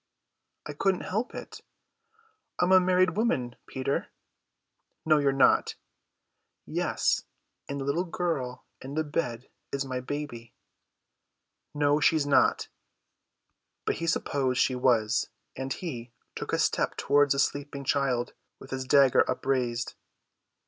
"I couldn't help it. I am a married woman, Peter." "No, you're not." "Yes, and the little girl in the bed is my baby." "No, she's not." But he supposed she was; and he took a step towards the sleeping child with his dagger upraised.